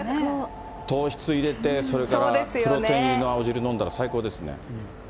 糖質入れて、それからプロテイン入りの青汁飲んだら、最高ですね。